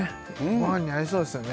ご飯に合いそうですよね